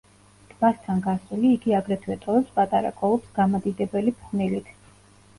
ტბასთან გასული, იგი აგრეთვე ტოვებს პატარა კოლოფს გამადიდებელი ფხვნილით.